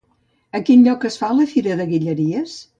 A quin lloc es fa la "Fira de Guilleries"?